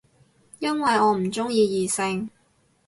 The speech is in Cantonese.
因為我唔鍾意異性